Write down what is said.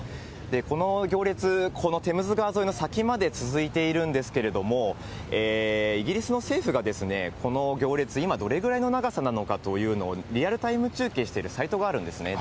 この行列、このテムズ川沿いの先まで続いているんですけれども、イギリスの政府がですね、この行列、今どれぐらいの長さなのかというのをリアルタイム中継しているサイトがあるんですね。